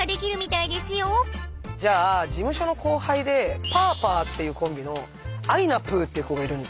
じゃあ事務所の後輩でパーパーっていうコンビのあいなぷぅっていう子がいるんですよ。